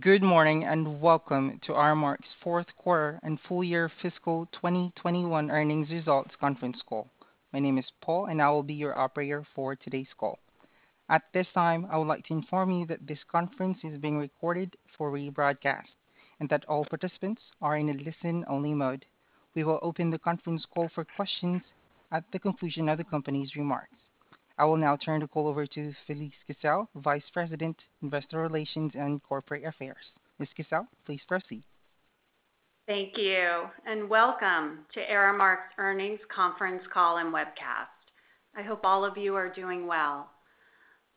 Good morning, and welcome to Aramark's fourth quarter and full year fiscal 2021 earnings results conference call. My name is Paul, and I will be your operator for today's call. At this time, I would like to inform you that this conference is being recorded for rebroadcast, and that all participants are in a listen-only mode. We will open the conference call for questions at the conclusion of the company's remarks. I will now turn the call over to Felise Kissell, Vice President, Investor Relations and Corporate Affairs. Ms. Kissell, please proceed. Thank you, and welcome to Aramark's Earnings conference call and webcast. I hope all of you are doing well.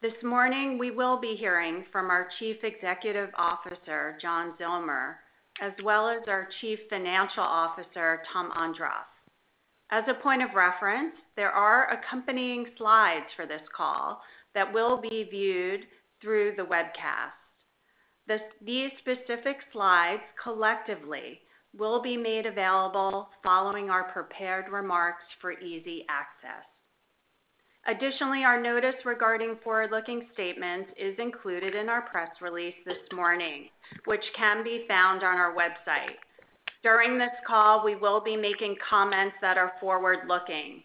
This morning, we will be hearing from our Chief Executive Officer, John Zillmer, as well as our Chief Financial Officer, Tom Ondrof. As a point of reference, there are accompanying slides for this call that will be viewed through the webcast. These specific slides collectively will be made available following our prepared remarks for easy access. Additionally, our notice regarding forward-looking statements is included in our press release this morning, which can be found on our website. During this call, we will be making comments that are forward-looking.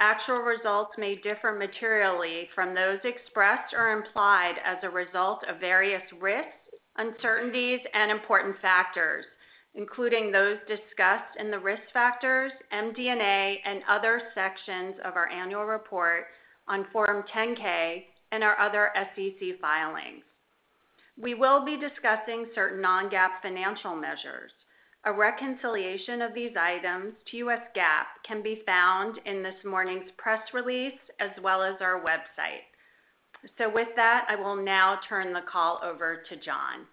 Actual results may differ materially from those expressed or implied as a result of various risks, uncertainties and important factors, including those discussed in the risk factors, MD&A and other sections of our annual report on Form 10-K and our other SEC filings. We will be discussing certain non-GAAP financial measures. A reconciliation of these items to U.S. GAAP can be found in this morning's press release as well as our website. With that, I will now turn the call over to John.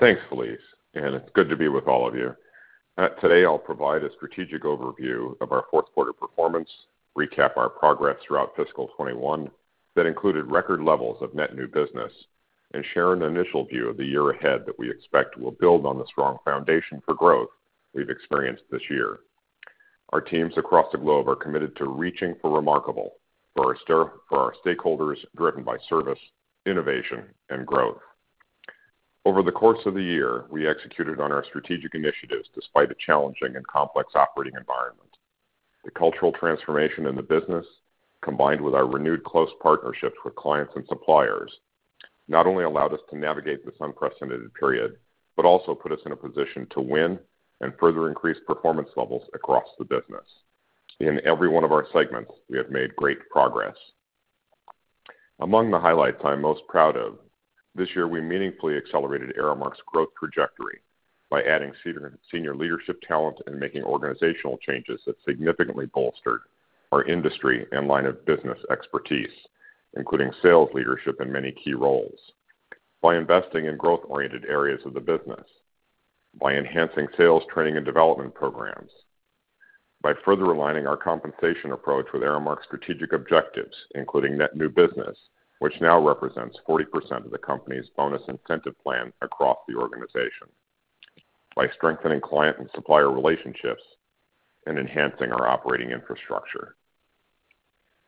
Thanks, Felise, and it's good to be with all of you. Today I'll provide a strategic overview of our fourth quarter performance, recap our progress throughout fiscal 2021 that included record levels of net new business, and share an initial view of the year ahead that we expect will build on the strong foundation for growth we've experienced this year. Our teams across the globe are committed to reaching for remarkable for our stakeholders, driven by service, innovation and growth. Over the course of the year, we executed on our strategic initiatives despite a challenging and complex operating environment. The cultural transformation in the business, combined with our renewed close partnerships with clients and suppliers, not only allowed us to navigate this unprecedented period, but also put us in a position to win and further increase performance levels across the business. In every one of our segments, we have made great progress. Among the highlights I'm most proud of, this year, we meaningfully accelerated Aramark's growth trajectory by adding senior leadership talent and making organizational changes that significantly bolstered our industry and line of business expertise, including sales leadership in many key roles, by investing in growth-oriented areas of the business, by enhancing sales training and development programs, by further aligning our compensation approach with Aramark's strategic objectives, including net new business, which now represents 40% of the company's bonus incentive plan across the organization, by strengthening client and supplier relationships and enhancing our operating infrastructure.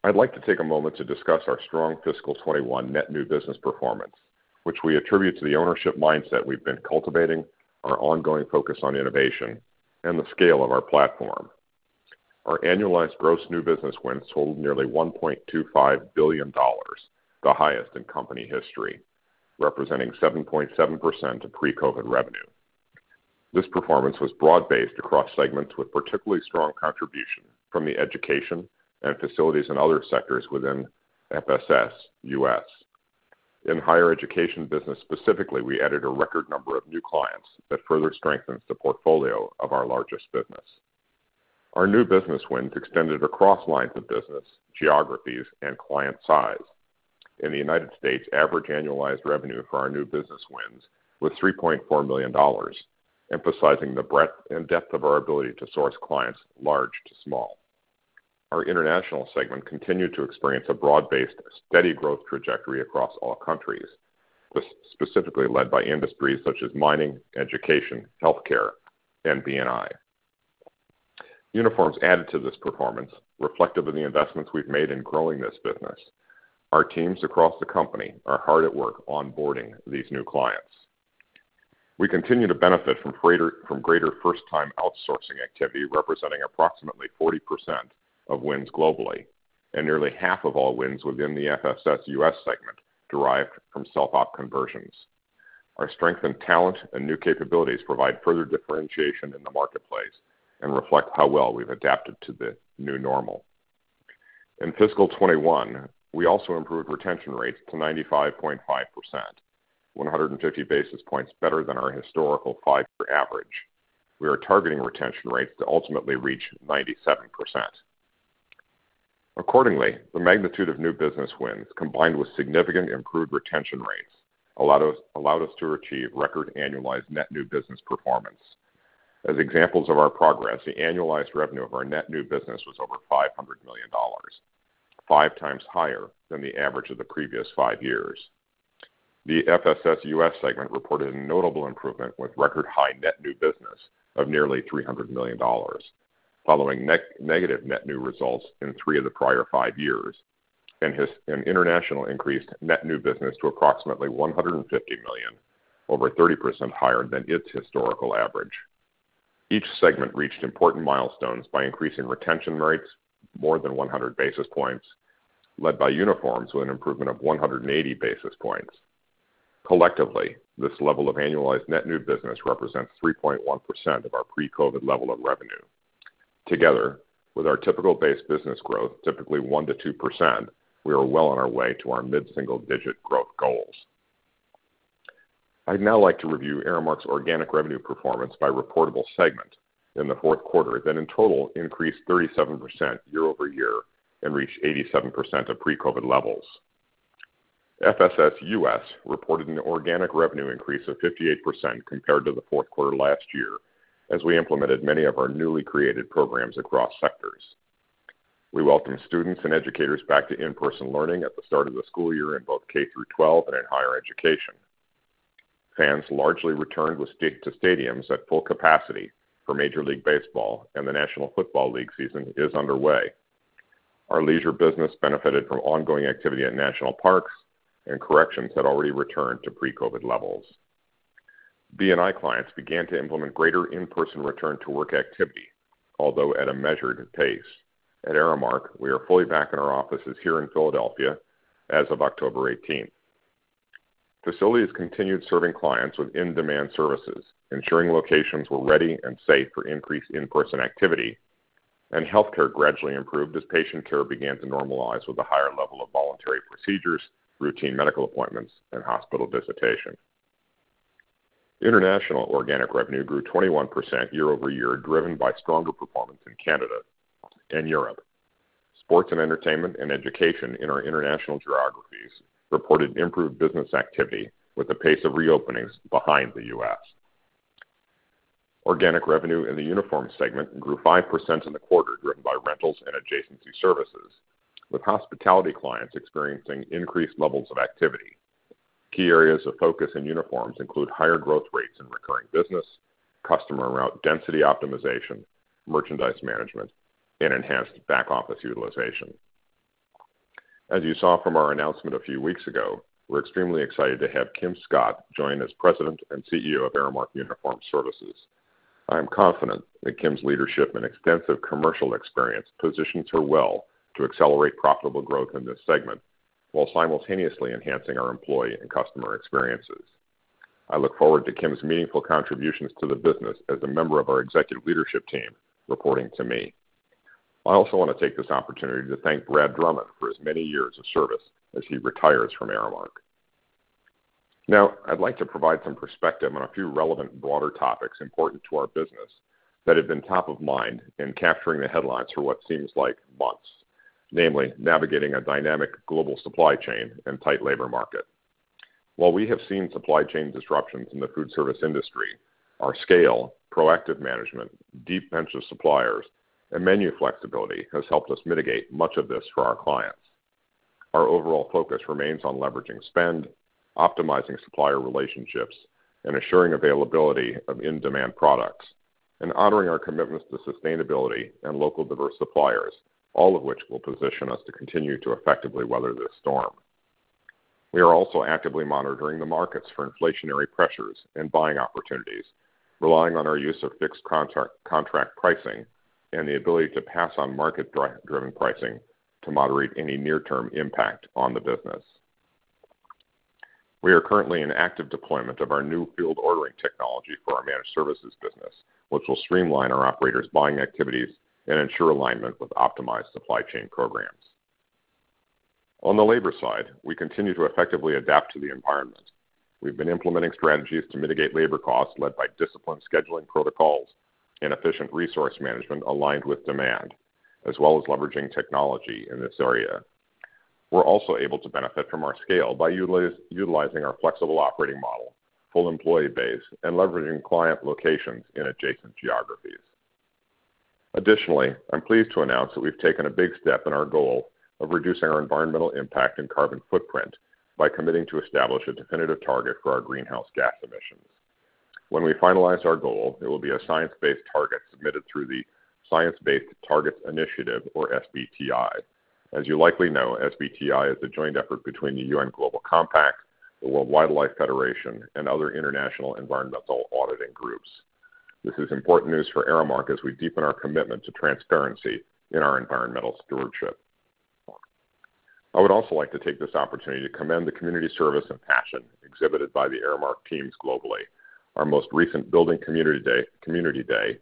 I'd like to take a moment to discuss our strong fiscal 2021 net new business performance, which we attribute to the ownership mindset we've been cultivating, our ongoing focus on innovation, and the scale of our platform. Our annualized gross new business wins totaled nearly $1.25 billion, the highest in company history, representing 7.7% of pre-COVID revenue. This performance was broad-based across segments with particularly strong contribution from the education and facilities and other sectors within FSS US. In higher education business specifically, we added a record number of new clients that further strengthens the portfolio of our largest business. Our new business wins extended across lines of business, geographies, and client size. In the United States, average annualized revenue for our new business wins was $3.4 million, emphasizing the breadth and depth of our ability to source clients large to small. Our international segment continued to experience a broad-based, steady growth trajectory across all countries, this specifically led by industries such as mining, education, healthcare and B&I. Uniforms added to this performance, reflective of the investments we've made in growing this business. Our teams across the company are hard at work onboarding these new clients. We continue to benefit from greater first-time outsourcing activity, representing approximately 40% of wins globally, and nearly half of all wins within the FSS US segment derived from self-op conversions. Our strength in talent and new capabilities provide further differentiation in the marketplace and reflect how well we've adapted to the new normal. In fiscal 2021, we also improved retention rates to 95.5%, 150 basis points better than our historical five-year average. We are targeting retention rates to ultimately reach 97%. Accordingly, the magnitude of new business wins, combined with significant improved retention rates, allowed us to achieve record annualized net new business performance. As examples of our progress, the annualized revenue of our net new business was over $500 million, five times higher than the average of the previous five years. The FSS US segment reported a notable improvement with record high net new business of nearly $300 million. Following negative net new results in three of the prior five years, and its international increased net new business to approximately $150 million, over 30% higher than its historical average. Each segment reached important milestones by increasing retention rates more than 100 basis points, led by uniforms with an improvement of 180 basis points. Collectively, this level of annualized net new business represents 3.1% of our pre-COVID level of revenue. Together, with our typical base business growth, typically 1%-2%, we are well on our way to our mid-single digit growth goals. I'd now like to review Aramark's organic revenue performance by reportable segment in the fourth quarter, that in total increased 37% year-over-year and reached 87% of pre-COVID levels. FSS US reported an organic revenue increase of 58% compared to the fourth quarter last year, as we implemented many of our newly created programs across sectors. We welcome students and educators back to in-person learning at the start of the school year in both K through twelve and in higher education. Fans largely returned to stadiums at full capacity for Major League Baseball, and the National Football League season is underway. Our leisure business benefited from ongoing activity at national parks, and corrections had already returned to pre-COVID levels. B&I clients began to implement greater in-person return to work activity, although at a measured pace. At Aramark, we are fully back in our offices here in Philadelphia as of October 18. Facilities continued serving clients with in-demand services, ensuring locations were ready and safe for increased in-person activity, and healthcare gradually improved as patient care began to normalize with a higher level of voluntary procedures, routine medical appointments, and hospital visitation. International organic revenue grew 21% year-over-year, driven by stronger performance in Canada and Europe. Sports and entertainment and education in our international geographies reported improved business activity with the pace of reopenings behind the U.S. Organic revenue in the uniform segment grew 5% in the quarter, driven by rentals and adjacency services, with hospitality clients experiencing increased levels of activity. Key areas of focus in uniforms include higher growth rates in recurring business, customer route density optimization, merchandise management, and enhanced back-office utilization. As you saw from our announcement a few weeks ago, we're extremely excited to have Kim Scott join as President and CEO of Aramark Uniform Services. I am confident that Kim's leadership and extensive commercial experience positions her well to accelerate profitable growth in this segment while simultaneously enhancing our employee and customer experiences. I look forward to Kim's meaningful contributions to the business as a member of our executive leadership team, reporting to me. I also wanna take this opportunity to thank Brad Drummond for his many years of service as he retires from Aramark. Now, I'd like to provide some perspective on a few relevant broader topics important to our business that have been top of mind in capturing the headlines for what seems like months, namely navigating a dynamic global supply chain and tight labor market. While we have seen supply chain disruptions in the food service industry, our scale, proactive management, deep bench of suppliers, and menu flexibility has helped us mitigate much of this for our clients. Our overall focus remains on leveraging spend, optimizing supplier relationships, and assuring availability of in-demand products, and honoring our commitments to sustainability and local diverse suppliers, all of which will position us to continue to effectively weather this storm. We are also actively monitoring the markets for inflationary pressures and buying opportunities, relying on our use of fixed contract pricing and the ability to pass on market driven pricing to moderate any near-term impact on the business. We are currently in active deployment of our new field ordering technology for our managed services business, which will streamline our operators' buying activities and ensure alignment with optimized supply chain programs. On the labor side, we continue to effectively adapt to the environment. We've been implementing strategies to mitigate labor costs led by disciplined scheduling protocols and efficient resource management aligned with demand, as well as leveraging technology in this area. We're also able to benefit from our scale by utilizing our flexible operating model, full employee base, and leveraging client locations in adjacent geographies. Additionally, I'm pleased to announce that we've taken a big step in our goal of reducing our environmental impact and carbon footprint by committing to establish a definitive target for our greenhouse gas emissions. When we finalize our goal, it will be a science-based target submitted through the Science Based Targets initiative or SBTi. As you likely know, SBTi is a joint effort between the United Nations Global Compact, the World Wide Fund for Nature, and other international environmental auditing groups. This is important news for Aramark as we deepen our commitment to transparency in our environmental stewardship. I would also like to take this opportunity to commend the community service and passion exhibited by the Aramark teams globally. Our most recent Aramark Building Community Day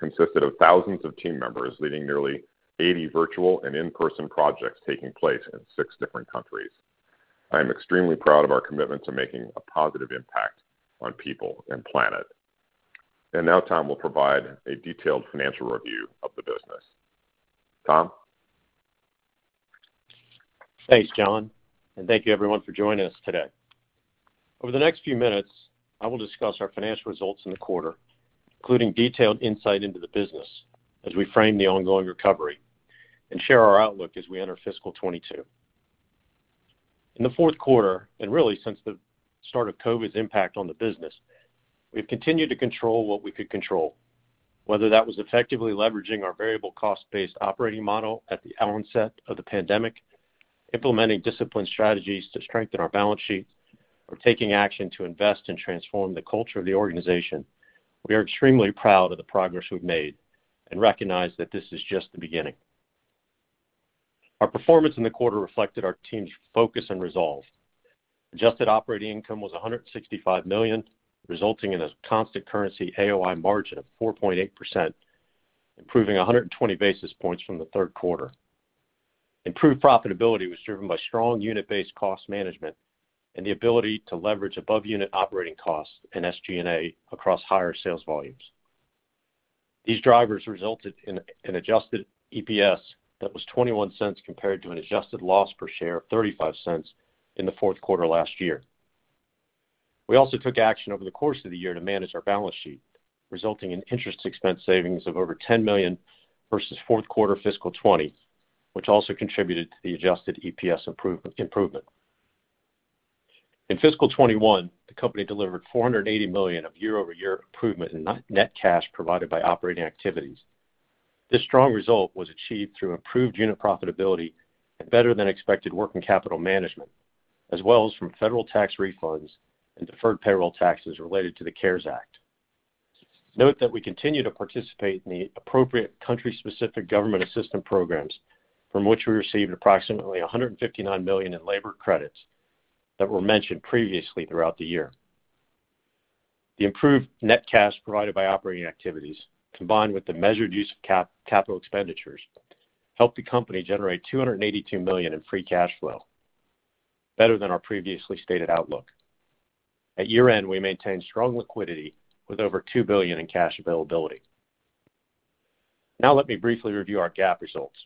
consisted of thousands of team members leading nearly 80 virtual and in-person projects taking place in six different countries. I am extremely proud of our commitment to making a positive impact on people and planet. Now Tom will provide a detailed financial review of the business. Tom? Thanks, John, and thank you everyone for joining us today. Over the next few minutes, I will discuss our financial results in the quarter, including detailed insight into the business as we frame the ongoing recovery and share our outlook as we enter fiscal 2022. In the fourth quarter, and really since the start of COVID's impact on the business, we've continued to control what we could control. Whether that was effectively leveraging our variable cost-based operating model at the onset of the pandemic, implementing disciplined strategies to strengthen our balance sheet, or taking action to invest and transform the culture of the organization, we are extremely proud of the progress we've made and recognize that this is just the beginning. Our performance in the quarter reflected our team's focus and resolve. Adjusted operating income was $165 million, resulting in a constant currency AOI margin of 4.8%, improving 120 basis points from the third quarter. Improved profitability was driven by strong unit-based cost management and the ability to leverage above unit operating costs and SG&A across higher sales volumes. These drivers resulted in an adjusted EPS that was $0.21 compared to an adjusted loss per share of $0.35 in the fourth quarter last year. We also took action over the course of the year to manage our balance sheet, resulting in interest expense savings of over $10 million versus fourth quarter fiscal 2020, which also contributed to the adjusted EPS improvement. In fiscal 2021, the company delivered $480 million of year-over-year improvement in net cash provided by operating activities. This strong result was achieved through improved unit profitability and better than expected working capital management, as well as from federal tax refunds and deferred payroll taxes related to the CARES Act. Note that we continue to participate in the appropriate country-specific government assistance programs from which we received approximately $159 million in labor credits that were mentioned previously throughout the year. The improved net cash provided by operating activities, combined with the measured use of capital expenditures, helped the company generate $282 million in free cash flow, better than our previously stated outlook. At year-end, we maintained strong liquidity with over $2 billion in cash availability. Now let me briefly review our GAAP results.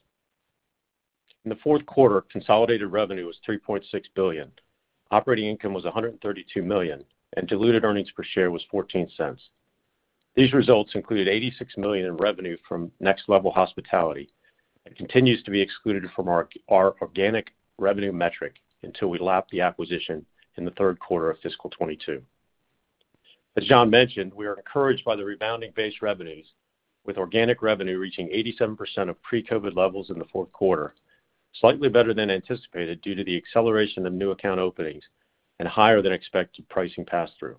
In the fourth quarter, consolidated revenue was $3.6 billion. Operating income was $132 million, and diluted earnings per share was $0.14. These results included $86 million in revenue from Next Level Hospitality and continues to be excluded from our organic revenue metric until we lap the acquisition in the third quarter of fiscal 2022. As John mentioned, we are encouraged by the rebounding base revenues, with organic revenue reaching 87% of pre-COVID levels in the fourth quarter, slightly better than anticipated due to the acceleration of new account openings and higher than expected pricing pass-through.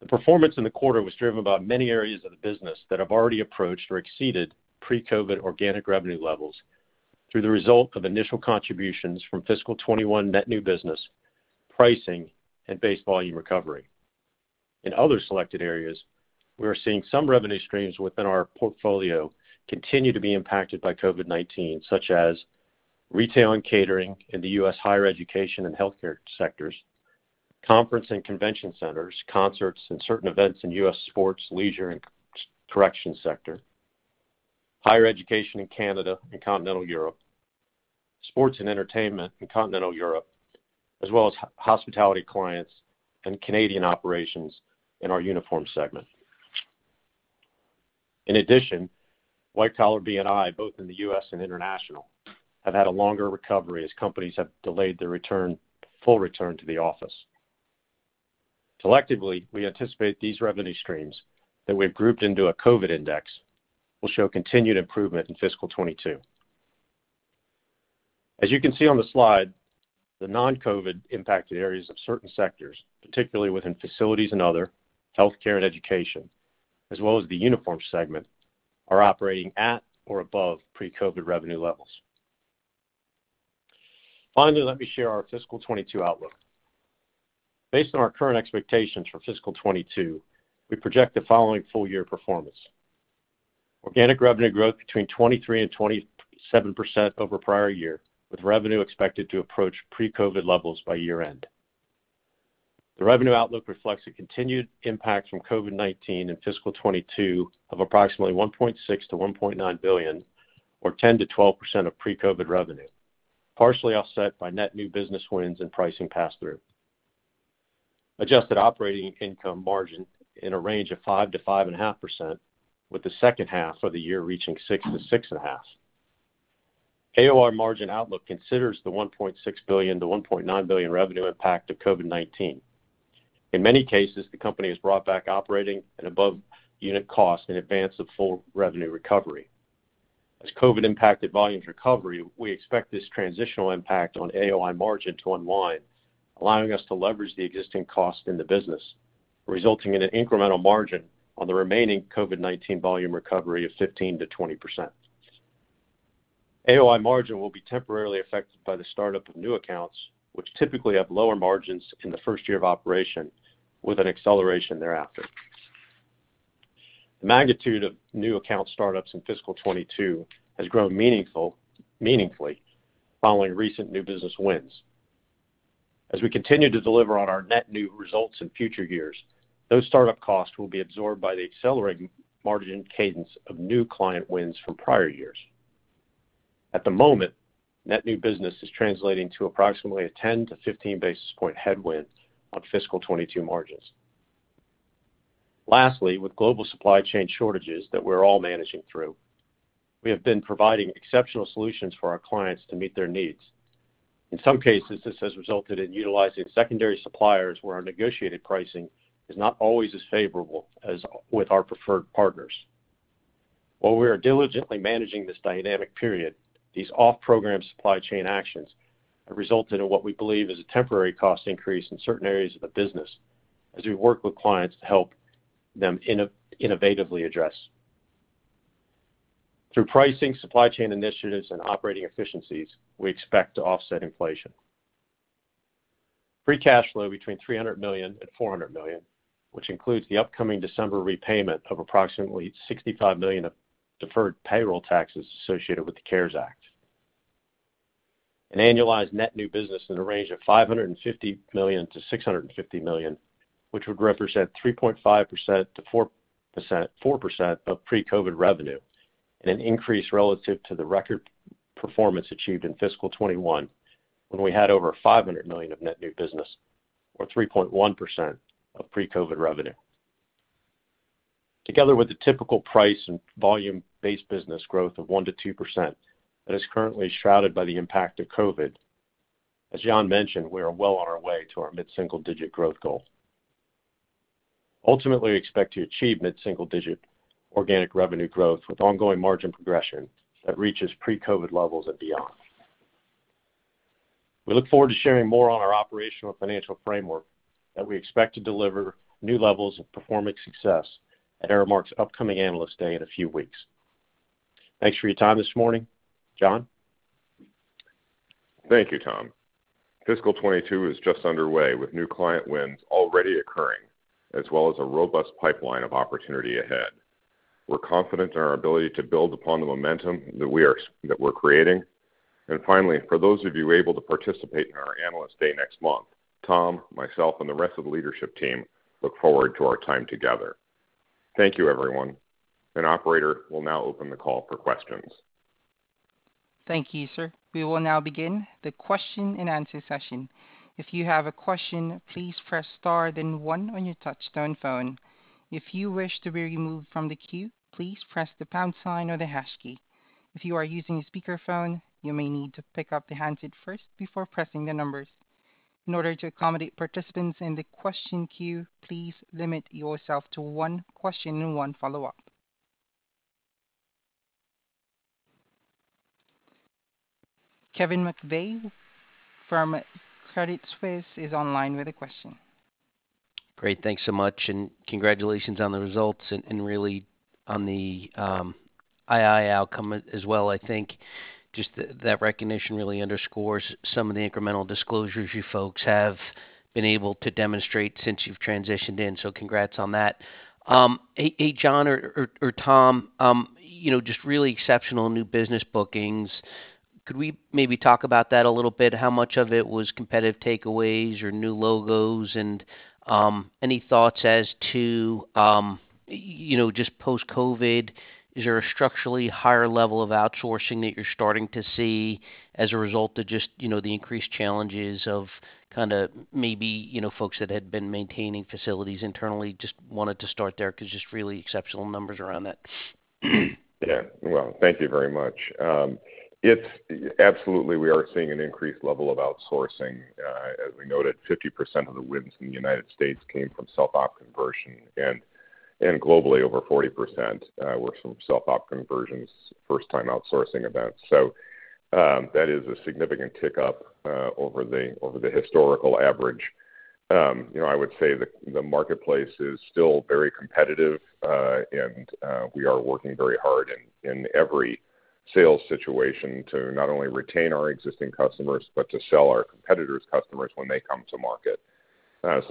The performance in the quarter was driven by many areas of the business that have already approached or exceeded pre-COVID organic revenue levels through the result of initial contributions from fiscal 2021 net new business, pricing, and base volume recovery. In other selected areas, we are seeing some revenue streams within our portfolio continue to be impacted by COVID-19, such as retail and catering in the U.S. higher education and healthcare sectors, conference and convention centers, concerts and certain events in U.S. sports, leisure and correction sector, higher education in Canada and continental Europe, sports and entertainment in continental Europe, as well as hospitality clients and Canadian operations in our uniform segment. In addition, white collar B&I, both in the U.S. and international, have had a longer recovery as companies have delayed their full return to the office. Collectively, we anticipate these revenue streams that we've grouped into a COVID Index will show continued improvement in fiscal 2022. As you can see on the slide, the non-COVID impacted areas of certain sectors, particularly within facilities and other, healthcare and education, as well as the uniform segment, are operating at or above pre-COVID revenue levels. Finally, let me share our FY 2022 outlook. Based on our current expectations for FY 2022, we project the following full-year performance. Organic revenue growth between 23%-27% over prior year, with revenue expected to approach pre-COVID levels by year-end. The revenue outlook reflects a continued impact from COVID-19 in FY 2022 of approximately $1.6 billion-$1.9 billion or 10%-12% of pre-COVID revenue, partially offset by net new business wins and pricing pass-through. Adjusted operating income margin in a range of 5%-5.5%, with the second half of the year reaching 6%-6.5%. AOI margin outlook considers the $1.6 billion-$1.9 billion revenue impact of COVID-19. In many cases, the company has absorbed operating and above-unit cost in advance of full revenue recovery. As COVID-impacted volumes recover, we expect this transitional impact on AOI margin to unwind, allowing us to leverage the existing cost in the business, resulting in an incremental margin on the remaining COVID-19 volume recovery of 15%-20%. AOI margin will be temporarily affected by the startup of new accounts, which typically have lower margins in the first year of operation with an acceleration thereafter. The magnitude of new account startups in fiscal 2022 has grown meaningfully following recent new business wins. As we continue to deliver on our net new results in future years, those startup costs will be absorbed by the accelerating margin cadence of new client wins from prior years. At the moment, net new business is translating to approximately a 10-15 basis point headwind on fiscal 2022 margins. Lastly, with global supply chain shortages that we're all managing through, we have been providing exceptional solutions for our clients to meet their needs. In some cases, this has resulted in utilizing secondary suppliers where our negotiated pricing is not always as favorable as with our preferred partners. While we are diligently managing this dynamic period, these off-program supply chain actions have resulted in what we believe is a temporary cost increase in certain areas of the business as we work with clients to help them innovatively address. Through pricing, supply chain initiatives, and operating efficiencies, we expect to offset inflation. Free cash flow between $300 million and $400 million, which includes the upcoming December repayment of approximately $65 million of deferred payroll taxes associated with the CARES Act. An annualized net new business in a range of $550 million-$650 million, which would represent 3.5%-4% of pre-COVID revenue and an increase relative to the record performance achieved in fiscal 2021 when we had over $500 million of net new business or 3.1% of pre-COVID revenue. Together with the typical price and volume-based business growth of 1%-2% that is currently shrouded by the impact of COVID, as John mentioned, we are well on our way to our mid-single-digit growth goal. Ultimately, we expect to achieve mid-single-digit organic revenue growth with ongoing margin progression that reaches pre-COVID levels and beyond. We look forward to sharing more on our operational financial framework that we expect to deliver new levels of performance success at Aramark's upcoming Analyst Day in a few weeks. Thanks for your time this morning. John? Thank you, Tom. Fiscal 2022 is just underway with new client wins already occurring, as well as a robust pipeline of opportunity ahead. We're confident in our ability to build upon the momentum that we're creating. Finally, for those of you able to participate in our Analyst Day next month, Tom, myself, and the rest of the leadership team look forward to our time together. Thank you, everyone. An operator will now open the call for questions. Thank you, sir. We will now begin the question and answer session. If you have a question, please press star then one on your touchtone phone. If you wish to be removed from the queue, please press the pound sign or the hash key. If you are using a speakerphone, you may need to pick up the handset first before pressing the numbers. In order to accommodate participants in the question queue, please limit yourself to one question and one follow-up. Kevin McVeigh from Credit Suisse is online with a question. Great. Thanks so much and congratulations on the results and really on the II outcome as well. I think just that recognition really underscores some of the incremental disclosures you folks have been able to demonstrate since you've transitioned in. Congrats on that. Hey, John or Tom, you know, just really exceptional new business bookings. Could we maybe talk about that a little bit? How much of it was competitive takeaways or new logos? Any thoughts as to you know, just post-COVID, is there a structurally higher level of outsourcing that you're starting to see as a result of just you know, the increased challenges of kinda maybe you know, folks that had been maintaining facilities internally? Just wanted to start there because just really exceptional numbers around that. Yeah. Well, thank you very much. Absolutely, we are seeing an increased level of outsourcing. As we noted, 50% of the wins in the United States came from self-op conversion, and globally, over 40% were from self-op conversions, first-time outsourcing events. That is a significant tick-up over the historical average. You know, I would say the marketplace is still very competitive, and we are working very hard in every sales situation to not only retain our existing customers, but to sell our competitors' customers when they come to market.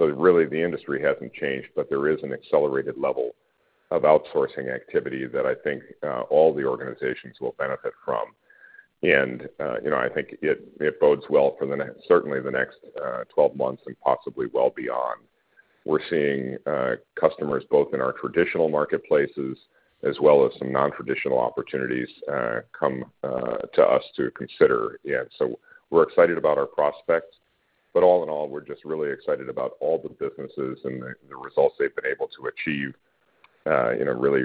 Really, the industry hasn't changed, but there is an accelerated level of outsourcing activity that I think all the organizations will benefit from. You know, I think it bodes well for certainly the next 12 months and possibly well beyond. We're seeing customers both in our traditional marketplaces as well as some non-traditional opportunities come to us to consider. We're excited about our prospects. All in all, we're just really excited about all the businesses and the results they've been able to achieve in really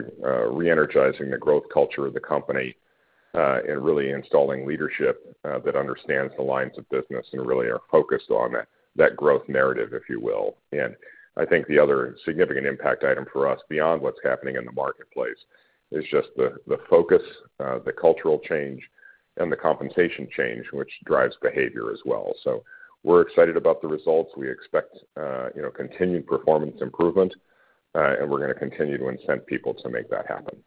re-energizing the growth culture of the company and really installing leadership that understands the lines of business and really are focused on that growth narrative, if you will. I think the other significant impact item for us beyond what's happening in the marketplace is just the focus, the cultural change and the compensation change, which drives behavior as well. We're excited about the results. We expect, you know, continued performance improvement, and we're gonna continue to incent people to make that happen.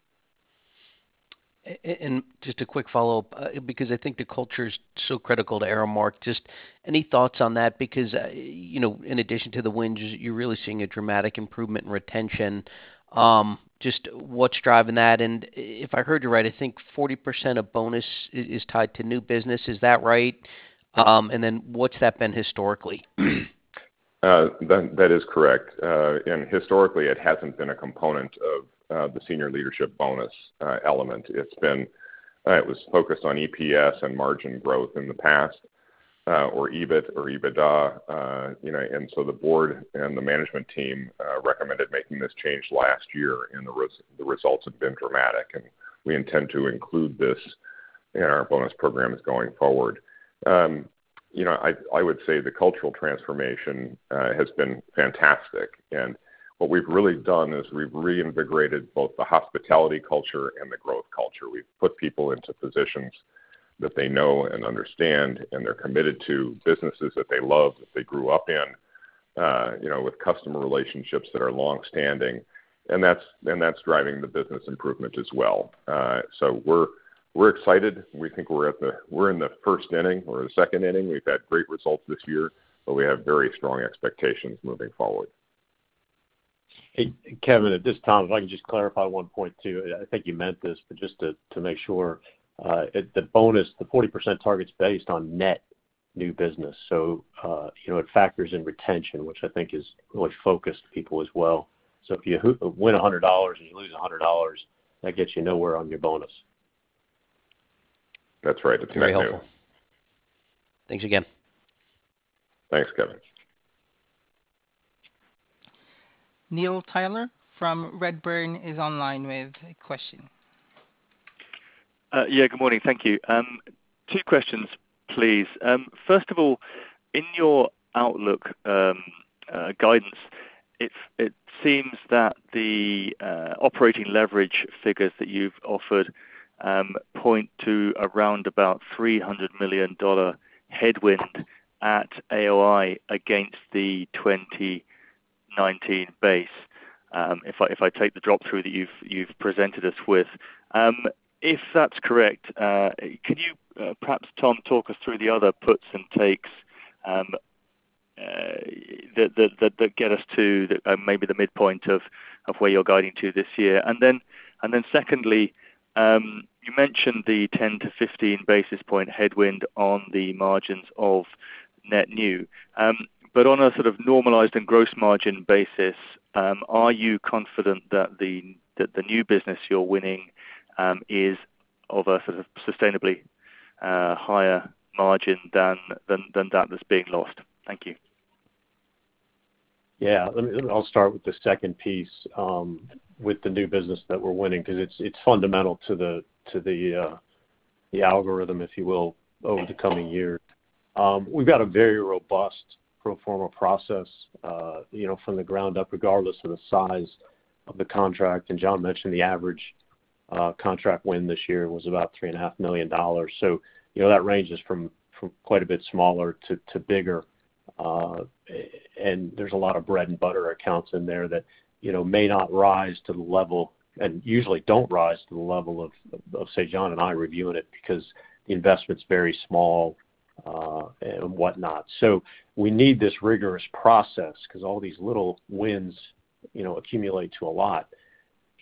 Just a quick follow-up, because I think the culture is so critical to Aramark. Just any thoughts on that? Because, you know, in addition to the wins, you're really seeing a dramatic improvement in retention. Just what's driving that? If I heard you right, I think 40% of bonus is tied to new business. Is that right? What's that been historically? That is correct. Historically, it hasn't been a component of the senior leadership bonus element. It was focused on EPS and margin growth in the past, or EBIT or EBITDA, you know, the board and the management team recommended making this change last year, and the results have been dramatic, and we intend to include this in our bonus programs going forward. You know, I would say the cultural transformation has been fantastic. What we've really done is we've reinvigorated both the hospitality culture and the growth culture. We've put people into positions that they know and understand, and they're committed to businesses that they love, that they grew up in, with customer relationships that are longstanding. That's driving the business improvement as well. We're excited. We think we're in the first inning or the second inning. We've had great results this year, but we have very strong expectations moving forward. Hey, Kevin, at this time, if I can just clarify one point too. I think you meant this, but just to make sure. At the bonus, the 40% target's based on net new business. You know, it factors in retention, which I think has really focused people as well. If you win $100 and you lose $100, that gets you nowhere on your bonus. That's right. It's net new. Very helpful. Thanks again. Thanks, Kevin. Neil Tyler from Redburn is online with a question. Yeah, good morning. Thank you. Two questions, please. First of all, in your outlook, guidance, it seems that the operating leverage figures that you've offered point to around about $300 million headwind at AOI against the 2019 base, if I take the drop-through that you've presented us with. If that's correct, could you perhaps, Tom, talk us through the other puts and takes that get us to the maybe the midpoint of where you're guiding to this year? Secondly, you mentioned the 10-15 basis points headwind on the margins of net new. On a sort of normalized and gross margin basis, are you confident that the new business you're winning is of a sort of sustainably higher margin than that that's being lost? Thank you. Yeah. I'll start with the second piece, with the new business that we're winning because it's fundamental to the algorithm, if you will, over the coming year. We've got a very robust pro forma process, you know, from the ground up, regardless of the size of the contract. John mentioned the average contract win this year was about $3.5 million. You know, that ranges from quite a bit smaller to bigger. And there's a lot of bread-and-butter accounts in there that, you know, may not rise to the level, and usually don't rise to the level of, say, John and I reviewing it because the investment's very small, and whatnot. We need this rigorous process because all these little wins, you know, accumulate to a lot.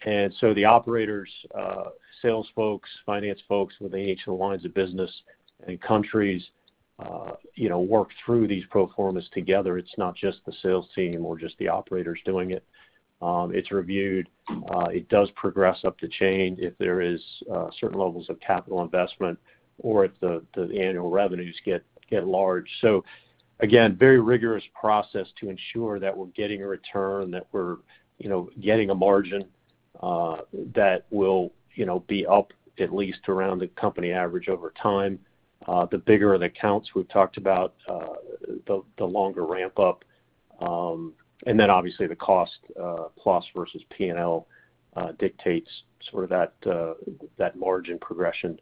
The operators, sales folks, finance folks with each of the lines of business and countries, you know, work through these pro formas together. It's not just the sales team or just the operators doing it. It's reviewed. It does progress up the chain if there is certain levels of capital investment or if the annual revenues get large. Again, very rigorous process to ensure that we're getting a return, that we're, you know, getting a margin that will, you know, be up at least around the company average over time. The bigger the accounts we've talked about, the longer ramp-up. Obviously the cost plus versus P&L dictates sort of that margin progression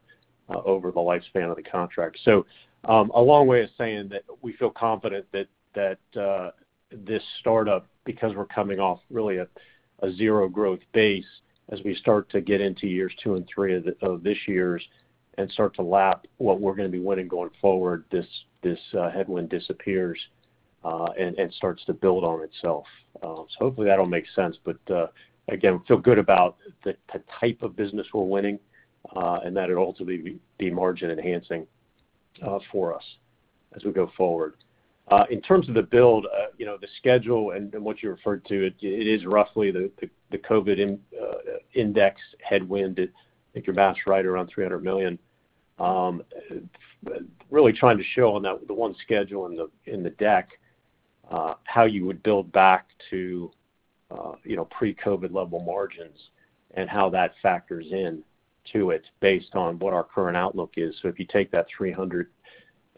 over the lifespan of the contract. A long way of saying that we feel confident that this startup, because we're coming off really a zero-growth base as we start to get into years two and three of these years and start to lap what we're gonna be winning going forward, this headwind disappears and starts to build on itself. Hopefully that'll make sense. Again, we feel good about the type of business we're winning and that it'll ultimately be margin enhancing for us as we go forward. In terms of the build, you know, the schedule and what you referred to, it is roughly the COVID Index headwind. It's, I think your math's right, around $300 million. Really trying to show on that, the one schedule in the deck, how you would build back to, you know, pre-COVID level margins and how that factors in to it based on what our current outlook is. If you take that 300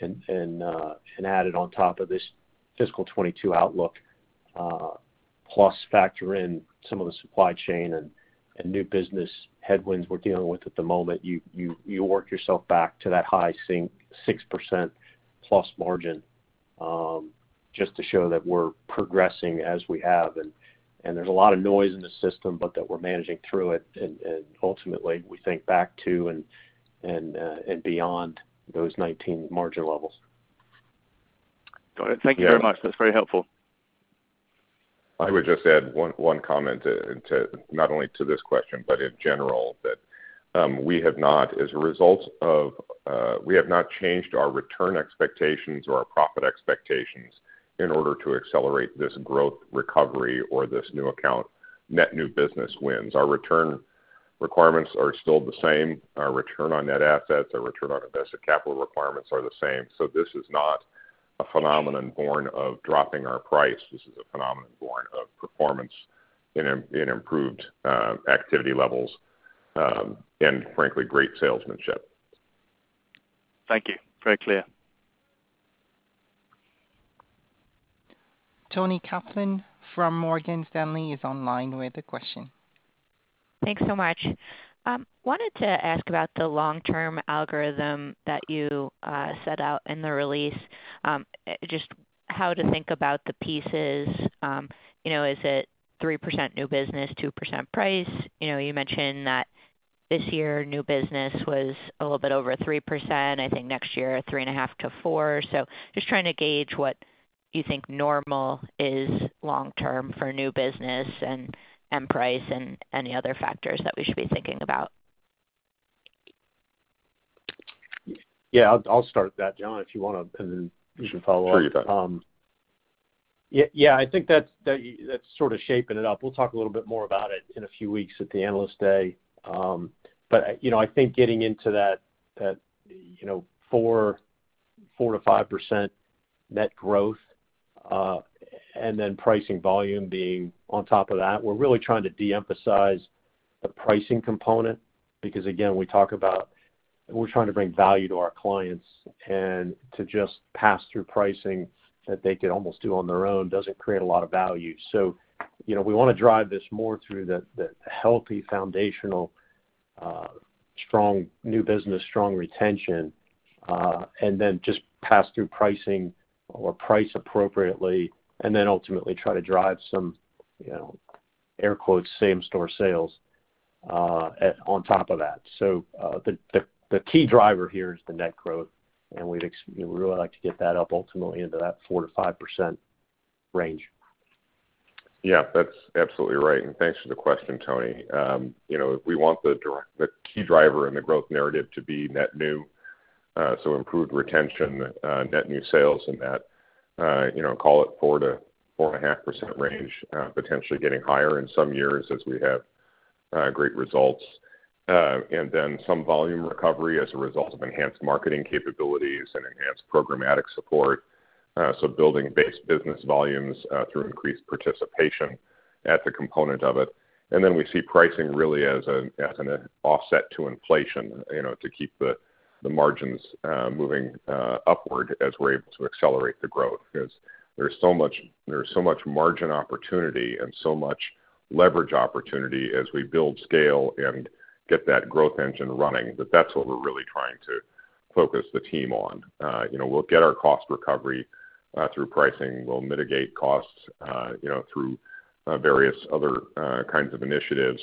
and add it on top of this fiscal 2022 outlook, plus factor in some of the supply chain and new business headwinds we're dealing with at the moment, you work yourself back to that high single 6%+ margin, just to show that we're progressing as we have. There's a lot of noise in the system, but that we're managing through it. Ultimately, we think back to and beyond those 19% margin levels. Got it. Thank you very much. That's very helpful. I would just add one comment to not only this question, but in general, that we have not changed our return expectations or our profit expectations in order to accelerate this growth recovery or this new account net new business wins. Our return requirements are still the same. Our return on net assets, our return on invested capital requirements are the same. This is not a phenomenon born of dropping our price. This is a phenomenon born of performance in improved activity levels, and frankly, great salesmanship. Thank you. Very clear. Toni Kaplan from Morgan Stanley is online with a question. Thanks so much. Wanted to ask about the long-term algorithm that you set out in the release. Just how to think about the pieces. You know, is it 3% new business, 2% price? You know, you mentioned that this year new business was a little bit over 3%. I think next year, 3.5%-4%. Just trying to gauge what you think normal is long term for new business and price and any other factors that we should be thinking about. Yeah, I'll start that, John, if you wanna, and then you can follow up. Sure, you bet. I think that's sort of shaping it up. We'll talk a little bit more about it in a few weeks at the Analyst Day. You know, I think getting into that 4%-5% net growth, and then pricing volume being on top of that, we're really trying to de-emphasize the pricing component because again, we talk about we're trying to bring value to our clients, and to just pass through pricing that they could almost do on their own doesn't create a lot of value. You know, we want to drive this more through the healthy, foundational strong new business, strong retention, and then just pass through pricing or price appropriately, and then ultimately try to drive some, you know, air quotes, same store sales on top of that. The key driver here is the net growth, and we'd, you know, we'd really like to get that up ultimately into that 4%-5% range. Yeah, that's absolutely right, and thanks for the question, Toni. You know, we want the key driver in the growth narrative to be net new, so improved retention, net new sales in that, you know, call it 4%-4.5% range, potentially getting higher in some years as we have great results. Some volume recovery as a result of enhanced marketing capabilities and enhanced programmatic support. Building base business volumes through increased participation as a component of it. We see pricing really as an offset to inflation, you know, to keep the margins moving upward as we're able to accelerate the growth. 'Cause there's so much margin opportunity and so much leverage opportunity as we build scale and get that growth engine running, that's what we're really trying to focus the team on. You know, we'll get our cost recovery through pricing. We'll mitigate costs, you know, through various other kinds of initiatives,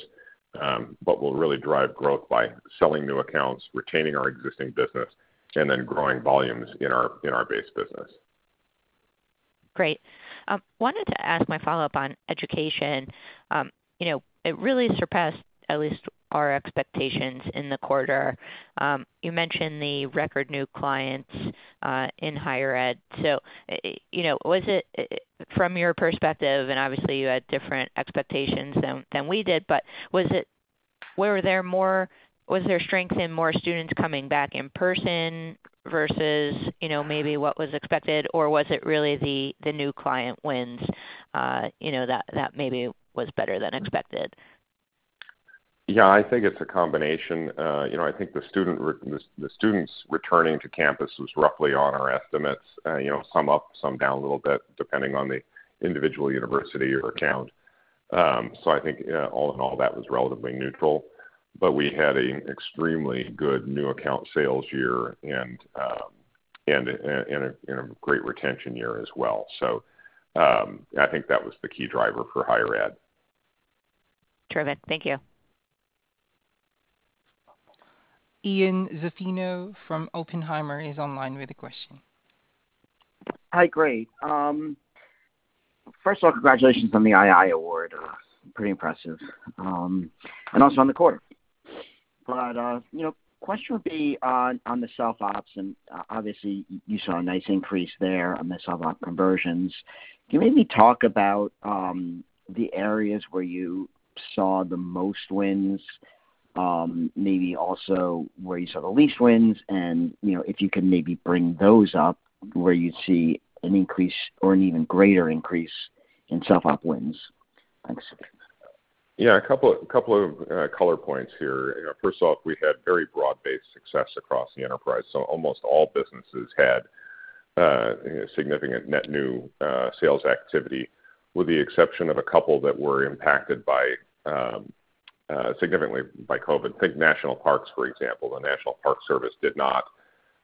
but we'll really drive growth by selling new accounts, retaining our existing business, and then growing volumes in our base business. Great. Wanted to ask my follow-up on education. You know, it really surpassed at least our expectations in the quarter. You mentioned the record new clients in higher ed. You know, was it from your perspective, and obviously you had different expectations than we did, but was it. Was there strength in more students coming back in person versus you know, maybe what was expected, or was it really the new client wins, you know, that maybe was better than expected? Yeah, I think it's a combination. I think the students returning to campus was roughly on our estimates. Some up, some down a little bit, depending on the individual university or account. I think all in all, that was relatively neutral. We had an extremely good new account sales year and a great retention year as well. I think that was the key driver for higher ed. Terrific. Thank you. Ian Zaffino from Oppenheimer is online with a question. Hi, great. First of all, congratulations on the II award. Pretty impressive, and also on the quarter. You know, question would be on the self-ops, and obviously, you saw a nice increase there on the self-op conversions. Can you maybe talk about the areas where you saw the most wins, maybe also where you saw the least wins, and, you know, if you can maybe bring those up where you see an increase or an even greater increase in self-op wins? Thanks. Yeah, a couple of color points here. First off, we had very broad-based success across the enterprise, so almost all businesses had you know significant net new sales activity, with the exception of a couple that were impacted significantly by COVID. Think national parks, for example. The National Park Service did not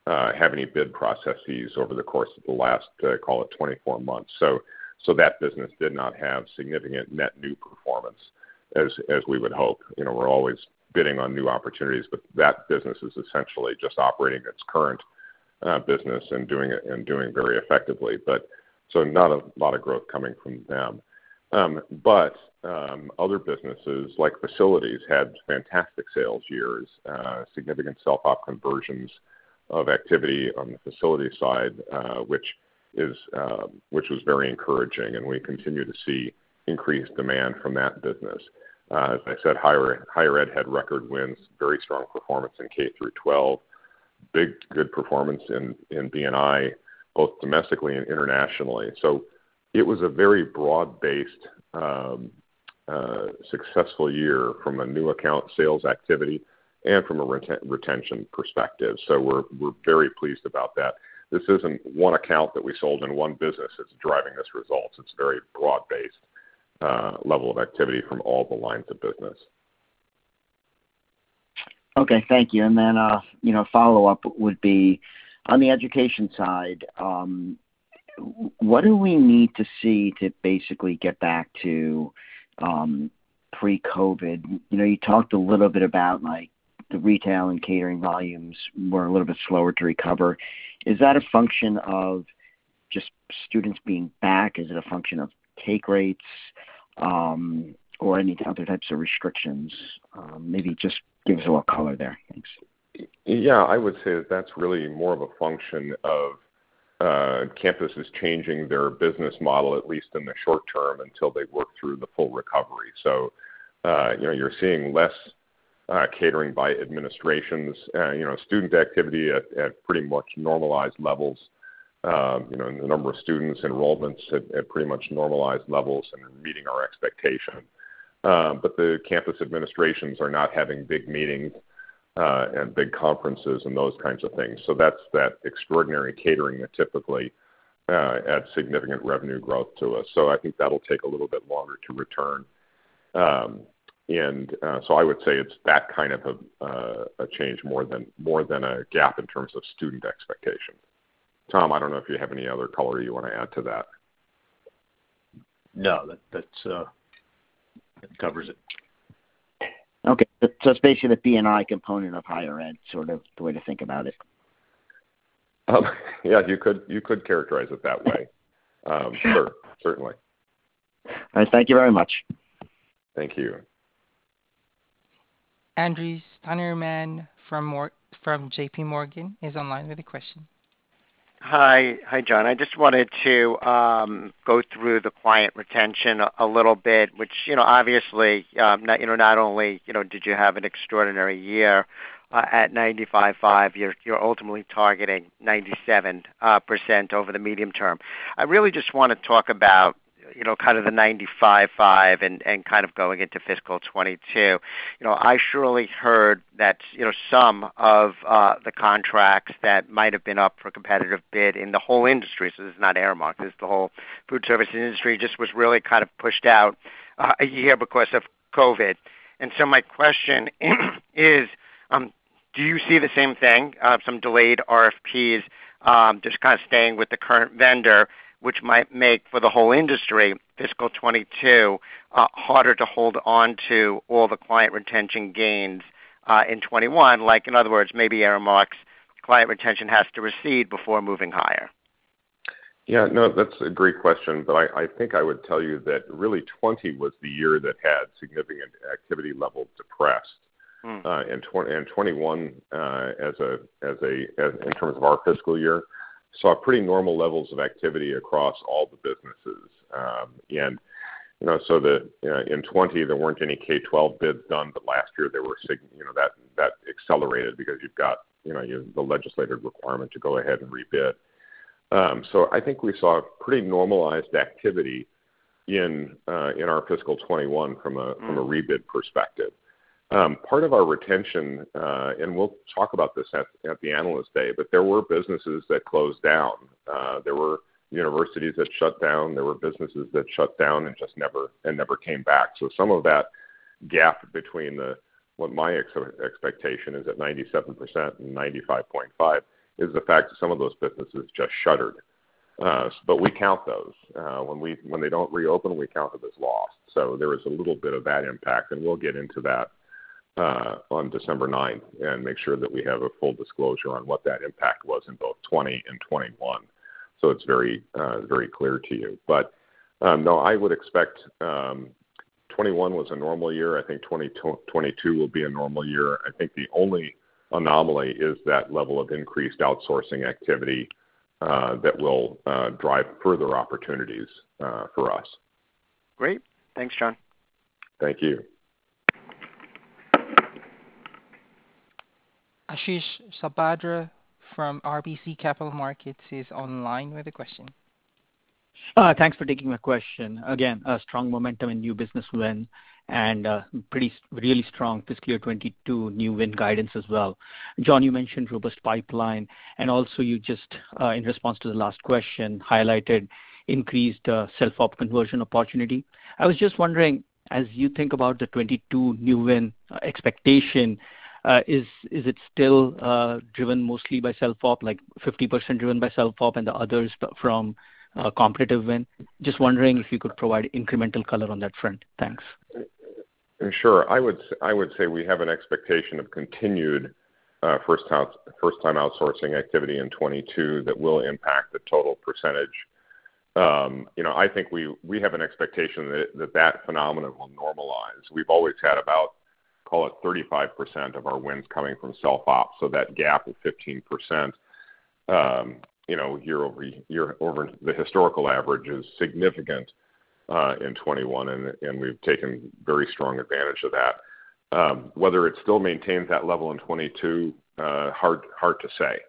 have any bid processes over the course of the last, call it 24 months. That business did not have significant net new performance as we would hope. You know, we're always bidding on new opportunities, but that business is essentially just operating its current business and doing it very effectively. Not a lot of growth coming from them. Other businesses, like facilities, had fantastic sales years, significant self-op conversions of activity on the facility side, which was very encouraging, and we continue to see increased demand from that business. As I said, higher ed had record wins, very strong performance in K-12. Big good performance in B&I, both domestically and internationally. It was a very broad-based successful year from a new account sales activity and from a retention perspective. We're very pleased about that. This isn't one account that we sold in one business that's driving this result. It's very broad-based level of activity from all the lines of business. Okay. Thank you. You know, follow-up would be on the education side, what do we need to see to basically get back to pre-COVID? You know, you talked a little bit about like the retail and catering volumes were a little bit slower to recover. Is that a function of just students being back? Is it a function of take rates, or any other types of restrictions? Maybe just give us a little color there. Thanks. Yeah. I would say that that's really more of a function of campuses changing their business model, at least in the short term, until they work through the full recovery. You know, you're seeing less catering by administrations. You know, student activity at pretty much normalized levels. You know, and the number of students enrollments at pretty much normalized levels and are meeting our expectation. But the campus administrations are not having big meetings and big conferences and those kinds of things. So that's that extraordinary catering that typically adds significant revenue growth to us. So I think that'll take a little bit longer to return. I would say it's that kind of a change more than a gap in terms of student expectation. Tom, I don't know if you have any other color you wanna add to that. No, that covers it. It's basically the B&I component of higher ed, sort of the way to think about it. Yeah, you could characterize it that way. Sure. Certainly. All right. Thank you very much. Thank you. Andrew Steinerman from JPMorgan is online with a question. Hi. Hi, John. I just wanted to go through the client retention a little bit, which, you know, obviously, you know, not only, you know, did you have an extraordinary year at 95.5%, you're ultimately targeting 97% over the medium term. I really just wanna talk about, you know, kind of the 95.5% and kind of going into fiscal 2022. You know, I surely heard that, you know, some of the contracts that might have been up for competitive bid in the whole industry, so this is not Aramark, this is the whole food service industry, just was really kind of pushed out a year because of COVID. My question is, do you see the same thing, some delayed RFPs, just kind of staying with the current vendor, which might make for the whole industry fiscal 2022 harder to hold on to all the client retention gains in 2021? Like, in other words, maybe Aramark's client retention has to recede before moving higher. Yeah. No, that's a great question, but I think I would tell you that really 2020 was the year that had significant activity level depressed. Mm. 2021, as in terms of our fiscal year, saw pretty normal levels of activity across all the businesses. You know, in 2020 there weren't any K-12 bids done, but last year there were, you know, that accelerated because you've got, you know, the legislative requirement to go ahead and rebid. I think we saw pretty normalized activity in our fiscal 2021. Mm. From a rebid perspective. Part of our retention, and we'll talk about this at the Analyst Day, there were businesses that closed down. There were universities that shut down, there were businesses that shut down and just never came back. Some of that gap between what my expectation is at 97% and 95.5% is the fact that some of those businesses just shuttered. We count those. When they don't reopen, we count it as lost. There is a little bit of that impact, and we'll get into that on December 9th and make sure that we have a full disclosure on what that impact was in both 2020 and 2021, so it's very clear to you. No, I would expect 2021 was a normal year. I think 2022 will be a normal year. I think the only anomaly is that level of increased outsourcing activity that will drive further opportunities for us. Great. Thanks, John. Thank you. Ashish Sabadra from RBC Capital Markets is online with a question. Thanks for taking my question. Again, a strong momentum in new business win and really strong fiscal 2022 new win guidance as well. John, you mentioned robust pipeline, and also you just in response to the last question, highlighted increased self-op conversion opportunity. I was just wondering, as you think about the 2022 new win expectation, is it still driven mostly by self-op, like 50% driven by self-op and the others from competitive win? Just wondering if you could provide incremental color on that front. Thanks. Sure. I would say we have an expectation of continued first time outsourcing activity in 2022 that will impact the total percentage. You know, I think we have an expectation that that phenomenon will normalize. We've always had about, call it 35% of our wins coming from self-op. So that gap of 15%, you know, year-over-year, over the historical average is significant in 2021, and we've taken very strong advantage of that. Whether it still maintains that level in 2022, hard to say.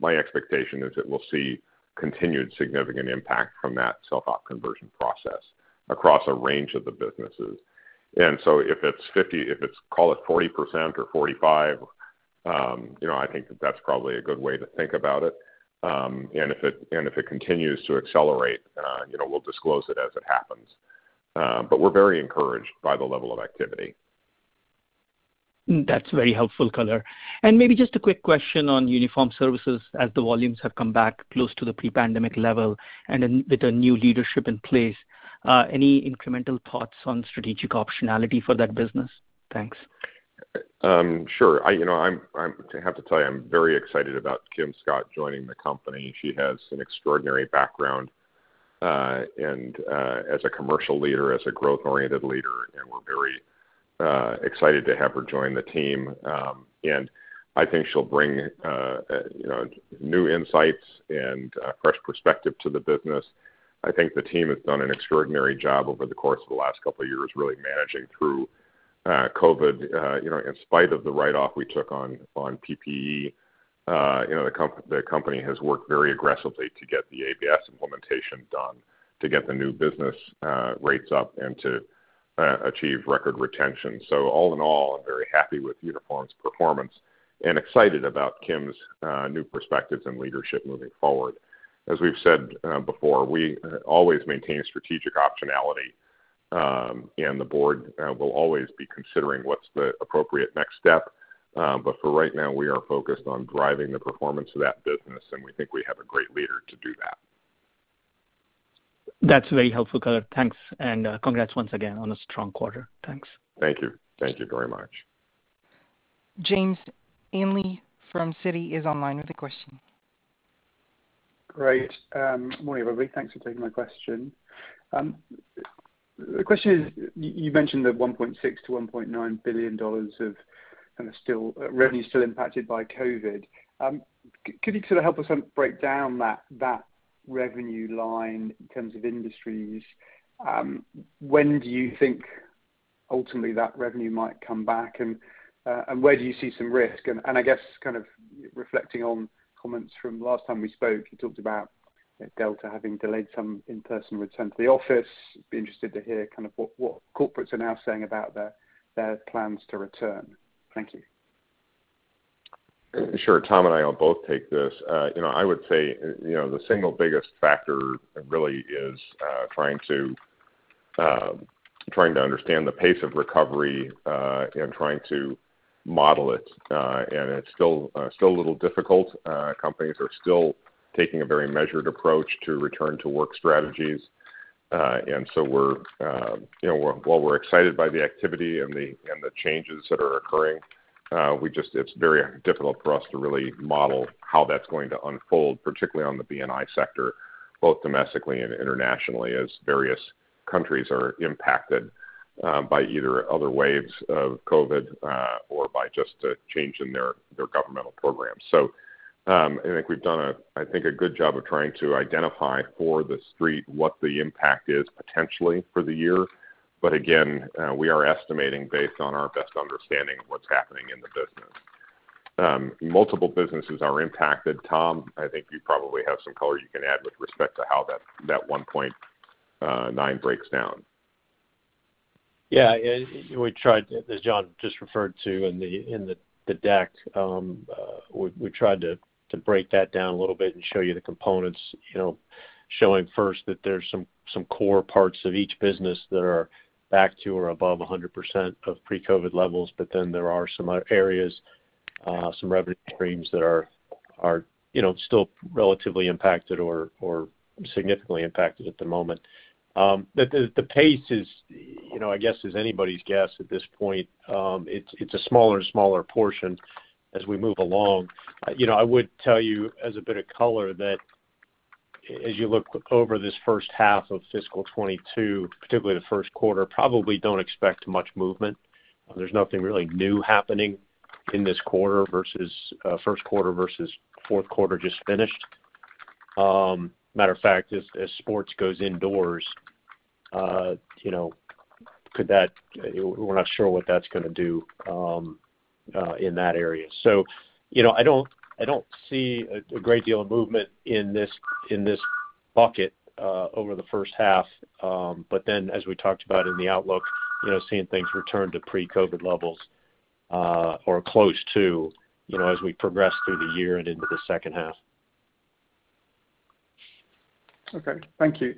My expectation is that we'll see continued significant impact from that self-op conversion process across a range of the businesses. If it's 50%, call it 40% or 45%, you know, I think that's probably a good way to think about it. If it continues to accelerate, you know, we'll disclose it as it happens. We're very encouraged by the level of activity. That's very helpful color. Maybe just a quick question on uniform services as the volumes have come back close to the pre-pandemic level and then with a new leadership in place, any incremental thoughts on strategic optionality for that business? Thanks. Sure. I have to tell you, I'm very excited about Kim Scott joining the company. She has an extraordinary background and as a commercial leader, as a growth-oriented leader, and we're very excited to have her join the team. I think she'll bring you know, new insights and fresh perspective to the business. I think the team has done an extraordinary job over the course of the last couple of years, really managing through COVID. In spite of the write-off we took on PPE, the company has worked very aggressively to get the ABS implementation done, to get the new business rates up and to achieve record retention. All in all, I'm very happy with Uniform's performance and excited about Kim's new perspectives and leadership moving forward. As we've said before, we always maintain strategic optionality, and the board will always be considering what's the appropriate next step. For right now, we are focused on driving the performance of that business, and we think we have a great leader to do that. That's very helpful color. Thanks. Congrats once again on a strong quarter. Thanks. Thank you. Thank you very much. James Ainley from Citi is online with a question. Great. Good morning, everybody. Thanks for taking my question. The question is, you mentioned that $1.6 billion-$1.9 billion of kind of revenue still impacted by COVID. Could you sort of help us break down that revenue line in terms of industries? When do you think ultimately that revenue might come back? And where do you see some risk? And I guess kind of reflecting on comments from last time we spoke, you talked about Delta having delayed some in-person return to the office. I'd be interested to hear kind of what corporates are now saying about their plans to return. Thank you. Sure. Tom and I will both take this. You know, I would say, you know, the single biggest factor really is trying to understand the pace of recovery and trying to model it. It's still a little difficult. Companies are still taking a very measured approach to return to work strategies. You know, while we're excited by the activity and the changes that are occurring, it's very difficult for us to really model how that's going to unfold, particularly on the B&I sector, both domestically and internationally, as various countries are impacted by either other waves of COVID or by just a change in their governmental programs. I think we've done a good job of trying to identify for the street what the impact is potentially for the year. Again, we are estimating based on our best understanding of what's happening in the business. Multiple businesses are impacted. Tom, I think you probably have some color you can add with respect to how that 1.9 breaks down. Yeah, we tried, as John just referred to in the deck, we tried to break that down a little bit and show you the components, you know, showing first that there's some core parts of each business that are back to or above 100% of pre-COVID levels. Then there are some areas, some revenue streams that are, you know, still relatively impacted or significantly impacted at the moment. The pace is, you know, I guess as anybody's guess at this point, it's a smaller and smaller portion as we move along. You know, I would tell you as a bit of color that as you look over this first half of fiscal 2022, particularly the first quarter, probably don't expect much movement. There's nothing really new happening in this quarter versus first quarter versus fourth quarter just finished. Matter of fact, as sports goes indoors, you know, we're not sure what that's gonna do in that area. You know, I don't see a great deal of movement in this bucket over the first half. As we talked about in the outlook, you know, seeing things return to pre-COVID levels or close to, you know, as we progress through the year and into the second half. Okay, thank you.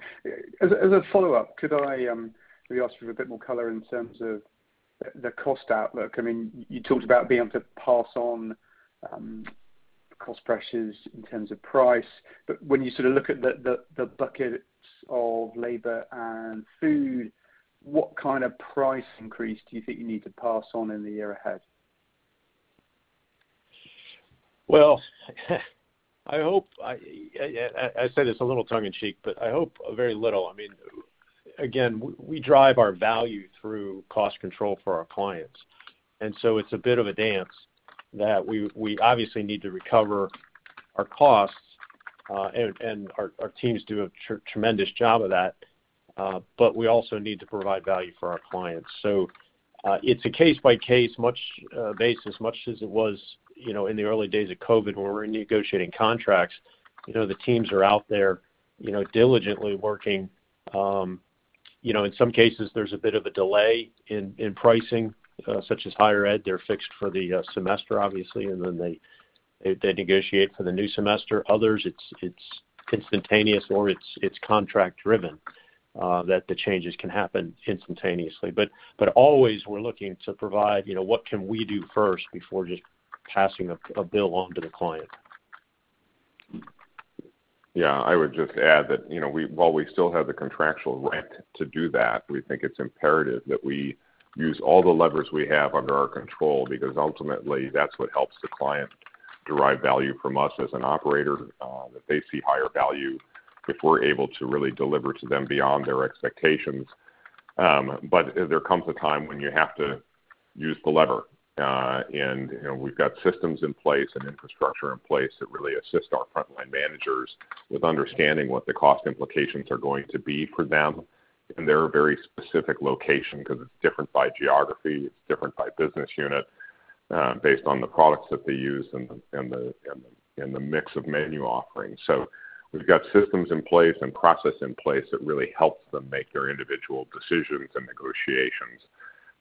As a follow-up, could I maybe ask for a bit more color in terms of the cost outlook? I mean, you talked about being able to pass on cost pressures in terms of price. When you sort of look at the buckets of labor and food, what kind of price increase do you think you need to pass on in the year ahead? Well, I hope I say this a little tongue in cheek, but I hope very little. I mean, again, we drive our value through cost control for our clients. It's a bit of a dance that we obviously need to recover our costs, and our teams do a tremendous job of that, but we also need to provide value for our clients. It's a case-by-case basis as much as it was, you know, in the early days of COVID, when we were negotiating contracts. You know, the teams are out there, you know, diligently working. You know, in some cases, there's a bit of a delay in pricing, such as higher ed. They're fixed for the semester, obviously, and then they negotiate for the new semester. Others, it's instantaneous or it's contract driven that the changes can happen instantaneously. Always we're looking to provide, you know, what can we do first before just passing a bill on to the client. Yeah. I would just add that, you know, we, while we still have the contractual right to do that, we think it's imperative that we use all the levers we have under our control because ultimately, that's what helps the client derive value from us as an operator, that they see higher value if we're able to really deliver to them beyond their expectations. There comes a time when you have to use the lever. You know, we've got systems in place and infrastructure in place that really assist our frontline managers with understanding what the cost implications are going to be for them in their very specific location, 'cause it's different by geography, it's different by business unit, based on the products that they use and the mix of menu offerings. We've got systems in place and process in place that really helps them make their individual decisions and negotiations.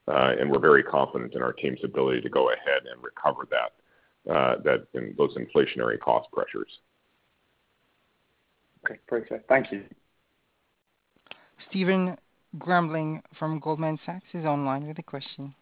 We're very confident in our team's ability to go ahead and recover that and those inflationary cost pressures. Okay. Perfect. Thank you. Stephen Grambling from Goldman Sachs is online with a question.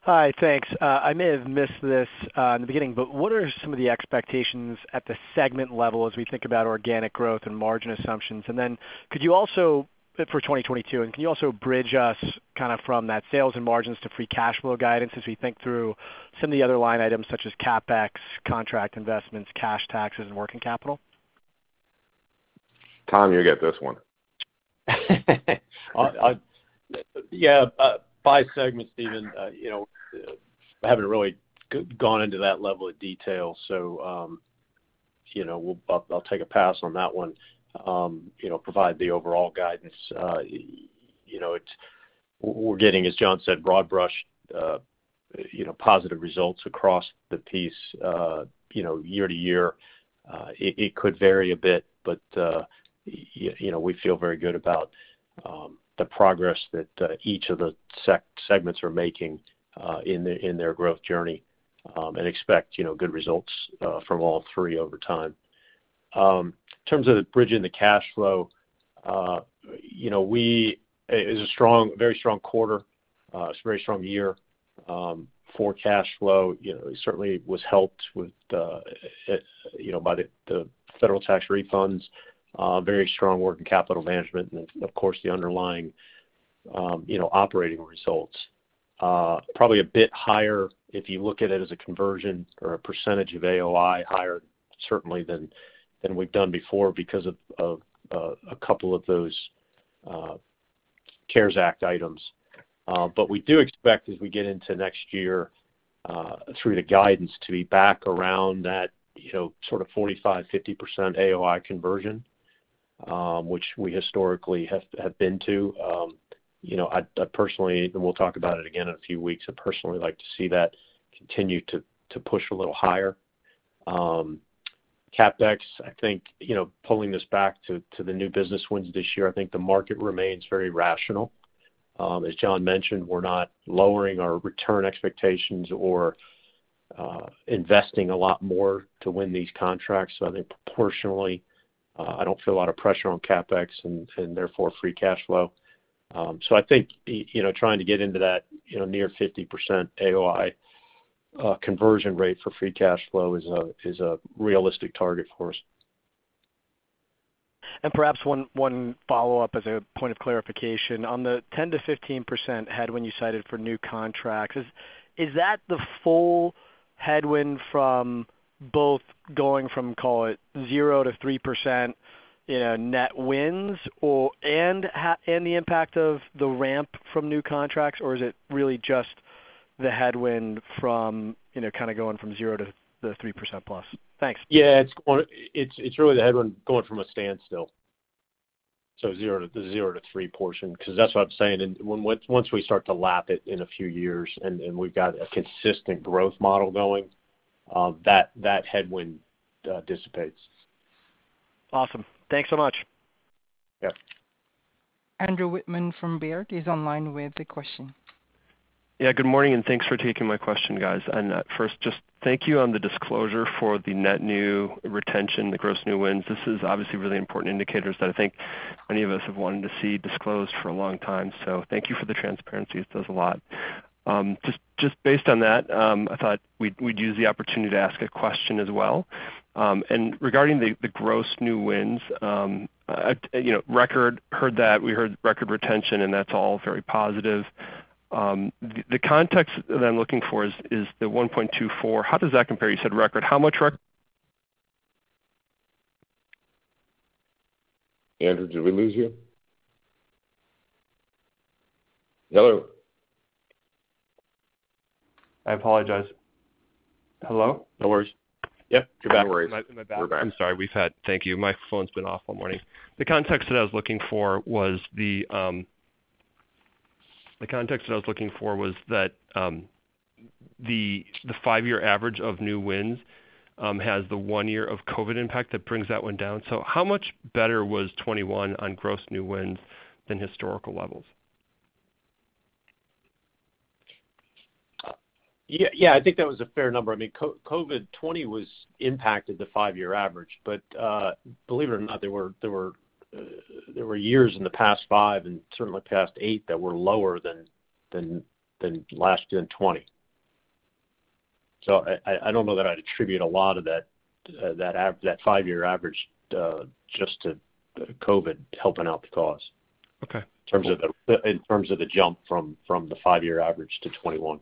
Hi. Thanks. I may have missed this in the beginning, but what are some of the expectations at the segment level as we think about organic growth and margin assumptions? Then could you also for 2022, and can you also bridge us kinda from that sales and margins to free cash flow guidance as we think through some of the other line items such as CapEx, contract investments, cash taxes, and working capital? Tom, you get this one. By segment, Stephen, you know, I haven't really gone into that level of detail, so, you know, I'll take a pass on that one, you know, provide the overall guidance. You know, we're getting, as John said, broad brush, you know, positive results across the piece. You know, year to year, it could vary a bit, but, you know, we feel very good about the progress that each of the segments are making in their growth journey, and expect, you know, good results from all three over time. In terms of bridging the cash flow, you know, it is a strong, very strong quarter, it's a very strong year for cash flow. You know, certainly was helped by the federal tax refunds, very strong working capital management and of course, the underlying, you know, operating results. Probably a bit higher if you look at it as a conversion or a percentage of AOI higher certainly than we've done before because of a couple of those CARES Act items. We do expect as we get into next year through the guidance to be back around that, you know, sort of 45%-50% AOI conversion, which we historically have been to. You know, I personally, and we'll talk about it again in a few weeks. I personally like to see that continue to push a little higher. CapEx, I think, you know, pulling this back to the new business wins this year, I think the market remains very rational. As John mentioned, we're not lowering our return expectations or investing a lot more to win these contracts. I think proportionally, I don't feel a lot of pressure on CapEx and therefore free cash flow. I think, you know, trying to get into that, you know, near 50% AOI conversion rate for free cash flow is a realistic target for us. Perhaps one follow-up as a point of clarification. On the 10%-15% headwind you cited for new contracts, is that the full headwind from both going from, call it, 0%-3% in net wins or and the impact of the ramp from new contracts? Or is it really just the headwind from, you know, kinda going from 0% to the 3%+? Thanks. Yeah. It's really the headwind going from a standstill, so 0 to the 0 to 3 portion, 'cause that's what I'm saying. Once we start to lap it in a few years and we've got a consistent growth model going, that headwind dissipates. Awesome. Thanks so much. Yeah. Andrew Wittmann from Baird is online with a question. Yeah, good morning, and thanks for taking my question, guys. First, just thank you on the disclosure for the net new retention, the gross new wins. This is obviously really important indicators that I think many of us have wanted to see disclosed for a long time. Thank you for the transparency. It does a lot. Just based on that, I thought we'd use the opportunity to ask a question as well. Regarding the gross new wins, you know, record. Heard that. We heard record retention, and that's all very positive. The context that I'm looking for is the 1.24. How does that compare? You said record. How much rec- Andrew, did we lose you? Hello? I apologize. Hello? No worries. Yeah, you're back. No worries. We're back. Am I back? I'm sorry. Thank you. My phone's been off all morning. The context that I was looking for was that the five-year average of new wins has the one year of COVID impact that brings that one down. How much better was 2021 on gross new wins than historical levels? Yeah. Yeah, I think that was a fair number. I mean, COVID 2020 was impacted the five-year average. Believe it or not, there were years in the past five and certainly past eight that were lower than last year in 2020. I don't know that I'd attribute a lot of that five-year average just to the COVID helping out the cause. Okay in terms of the jump from the five-year average to 2021.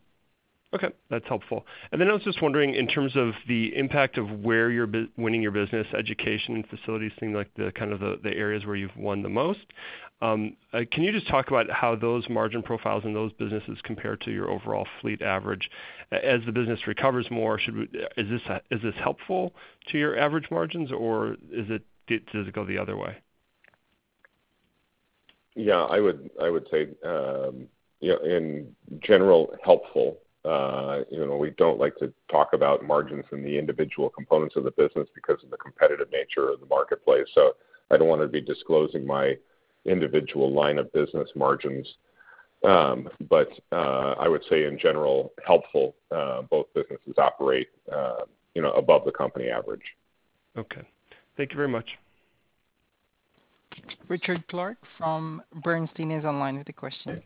Okay, that's helpful. Then I was just wondering, in terms of the impact of where you're winning your business, education and facilities seem like the kind of areas where you've won the most. Can you just talk about how those margin profiles in those businesses compare to your overall fleet average? As the business recovers more, is this helpful to your average margins, or does it go the other way? Yeah, I would say, you know, in general, helpful. You know, we don't like to talk about margins in the individual components of the business because of the competitive nature of the marketplace, so I don't wanna be disclosing my individual line of business margins. I would say in general, helpful. Both businesses operate, you know, above the company average. Okay. Thank you very much. Richard Clarke from Bernstein is online with a question.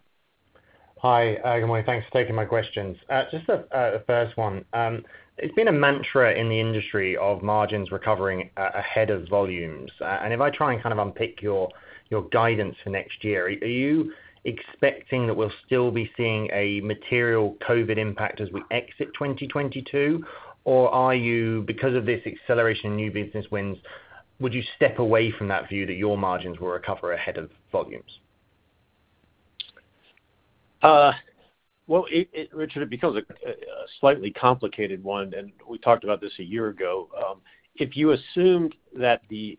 Hi, good morning. Thanks for taking my questions. Just a first one. It's been a mantra in the industry of margins recovering ahead of volumes. If I try and kind of unpick your guidance for next year, are you expecting that we'll still be seeing a material COVID impact as we exit 2022? Or, because of this acceleration in new business wins, would you step away from that view that your margins will recover ahead of volumes? Richard, it becomes a slightly complicated one, and we talked about this a year ago. If you assumed that the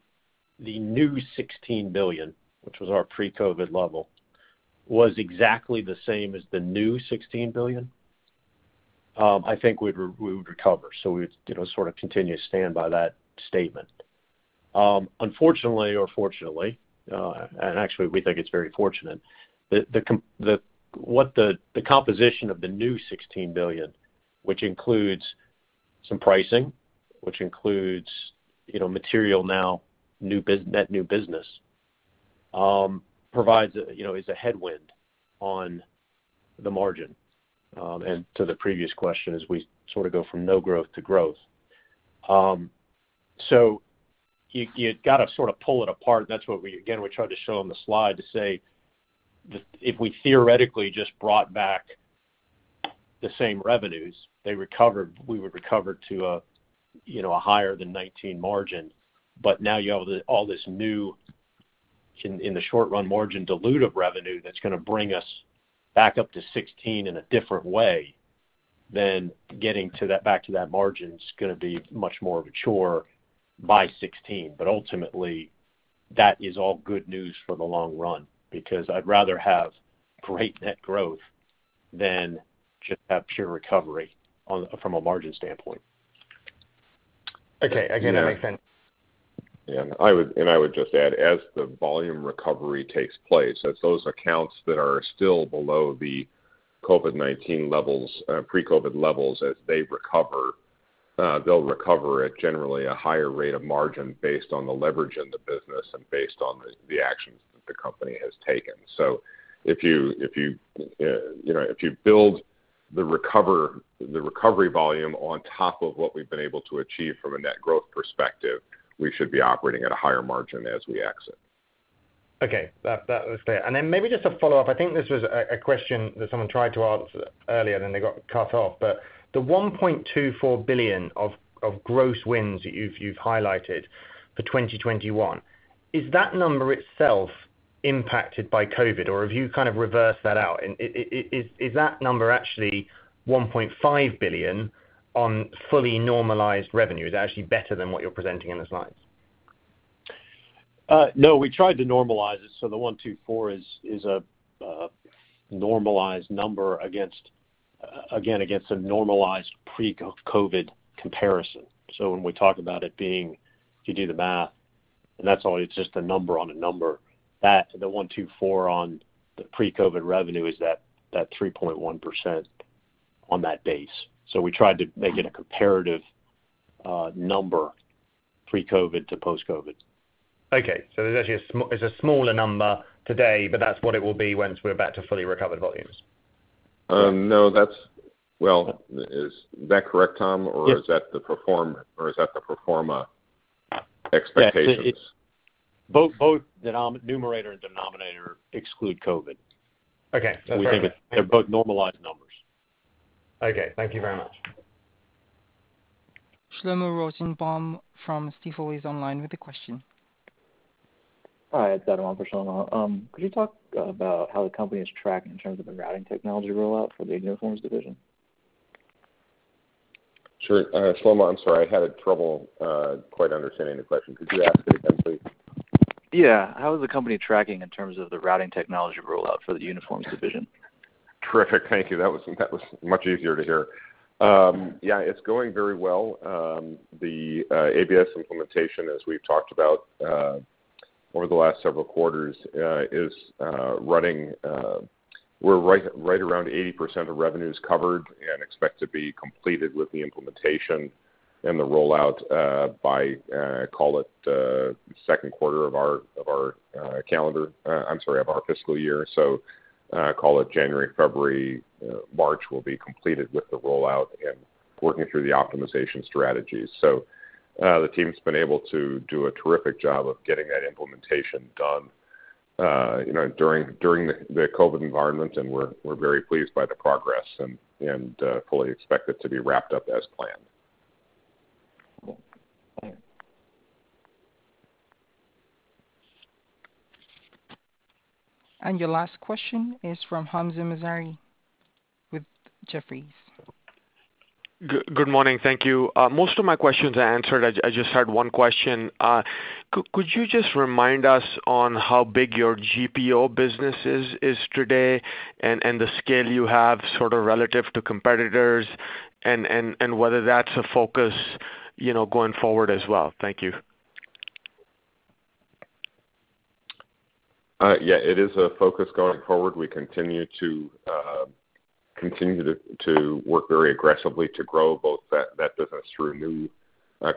new $16 billion, which was our pre-COVID level, was exactly the same as the new $16 billion, I think we would recover. We'd, you know, sort of continue to stand by that statement. Unfortunately or fortunately, and actually we think it's very fortunate, the composition of the new $16 billion, which includes some pricing, which includes, you know, materially new net new business, provides, you know, is a headwind on the margin, and to the previous question, as we sort of go from no growth to growth. You gotta sort of pull it apart. That's what we again tried to show on the slide to say if we theoretically just brought back the same revenues we would recover to you know a higher than 19% margin. Now you have all this new in the short run margin dilutive revenue that's gonna bring us back up to 16% in a different way. Back to that margin's gonna be much more of a chore above 16%. Ultimately that is all good news for the long run because I'd rather have great net growth than just have pure recovery from a margin standpoint. Okay. Again, that makes sense. Yeah. I would just add, as the volume recovery takes place, as those accounts that are still below the COVID-19 levels, pre-COVID levels, as they recover, they'll recover at generally a higher rate of margin based on the leverage in the business and based on the actions that the company has taken. So if you know, if you build the recovery volume on top of what we've been able to achieve from a net growth perspective, we should be operating at a higher margin as we exit. Okay. That was clear. Maybe just a follow-up. I think this was a question that someone tried to ask earlier, then they got cut off. The $1.24 billion of gross wins that you've highlighted for 2021, is that number itself impacted by COVID, or have you kind of reversed that out? Is that number actually $1.5 billion on fully normalized revenue? Is it actually better than what you're presenting in the slides? No, we tried to normalize it, so the 124 is a normalized number against again, against a normalized pre-COVID comparison. So when we talk about it being, if you do the math, and that's all, it's just a number on a number, that the 124 on the pre-COVID revenue is that 3.1% on that base. So we tried to make it a comparative number pre-COVID to post-COVID. There's actually a smaller number today, but that's what it will be once we're back to fully recovered volumes. Well, is that correct, Tom? Yes. Is that the pro forma expectations? Both numerator and denominator exclude COVID. Okay. That's fair. They're both normalized numbers. Okay. Thank you very much. Shlomo Rosenbaum from Stifel is online with a question. Hi, it's Devon for Shlomo. Could you talk about how the company is tracking in terms of the routing technology rollout for the uniforms division? Sure. Shlomo, I'm sorry, I had trouble quite understanding the question. Could you ask it again, please? Yeah. How is the company tracking in terms of the routing technology rollout for the uniforms division? Terrific. Thank you. That was much easier to hear. Yeah, it's going very well. The ABS implementation, as we've talked about, over the last several quarters, is running. We're right around 80% of revenues covered and expect to be completed with the implementation and the rollout by call it second quarter of our fiscal year. Call it January, February, March we'll be completed with the rollout and working through the optimization strategies. The team's been able to do a terrific job of getting that implementation done, you know, during the COVID environment, and we're very pleased by the progress and fully expect it to be wrapped up as planned. Cool. Thank you. Your last question is from Hamzah Mazari with Jefferies. Good morning. Thank you. Most of my questions are answered. I just had one question. Could you just remind us on how big your GPO business is today and the scale you have sort of relative to competitors and whether that's a focus, you know, going forward as well? Thank you. Yeah. It is a focus going forward. We continue to work very aggressively to grow both that business through new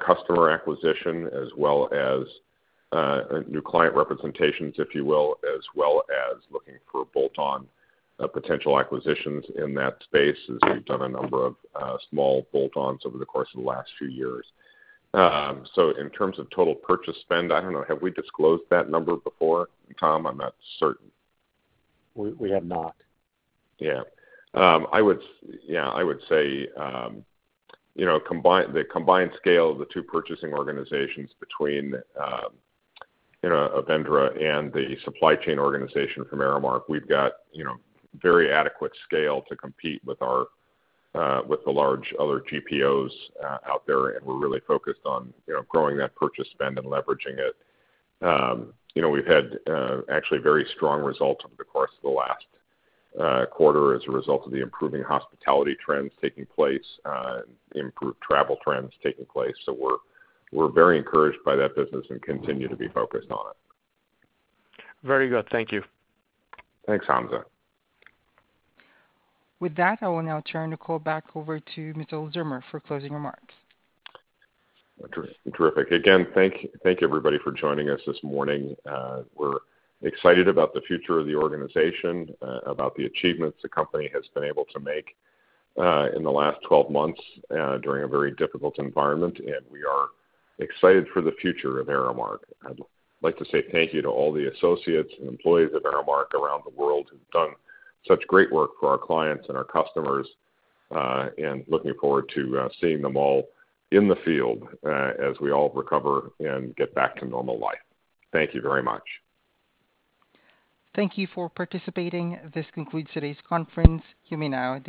customer acquisition as well as new client representations, if you will, as well as looking for bolt-on potential acquisitions in that space, as we've done a number of small bolt-ons over the course of the last few years. In terms of total purchase spend, I don't know, have we disclosed that number before, Tom? I'm not certain. We have not. Yeah, I would say you know, the combined scale of the two purchasing organizations between you know, Avendra and the supply chain organization from Aramark, we've got you know, very adequate scale to compete with the large other GPOs out there, and we're really focused on you know, growing that purchase spend and leveraging it. You know, we've had actually very strong results over the course of the last quarter as a result of the improving hospitality trends taking place, improved travel trends taking place, so we're very encouraged by that business and continue to be focused on it. Very good. Thank you. Thanks, Hamzah. With that, I will now turn the call back over to Mr. Zillmer for closing remarks. Terrific. Again, thank you everybody for joining us this morning. We're excited about the future of the organization, about the achievements the company has been able to make, in the last 12 months, during a very difficult environment, and we are excited for the future of Aramark. I'd like to say thank you to all the associates and employees of Aramark around the world who've done such great work for our clients and our customers, and looking forward to seeing them all in the field, as we all recover and get back to normal life. Thank you very much. Thank you for participating. This concludes today's conference. You may now disconnect.